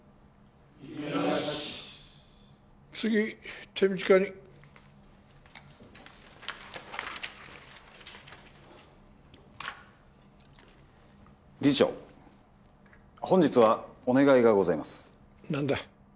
異議なし次手短に理事長本日はお願いがございます何だ？